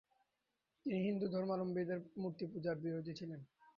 তিনি হিন্দু ধর্মাবলম্বীদের মূর্তি পূজার বিরোধী ছিলেন।